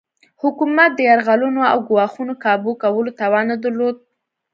حکومت د یرغلونو او ګواښونو کابو کولو توان نه درلود.